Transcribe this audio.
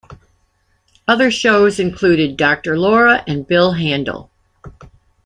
Other shows included Doctor Laura and Bill Handel.